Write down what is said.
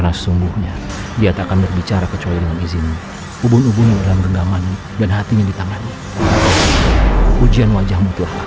dan kita akan membuat semua orang merasakan penderitaan kita